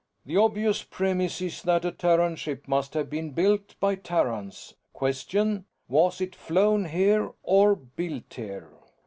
"The obvious premise is that a Terran ship must have been built by Terrans. Question: Was it flown here, or built here?"